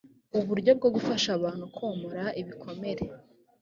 uburyo bwo gufasha abantu komora ibikomere